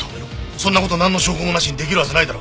そんな事なんの証拠もなしに出来るはずないだろ！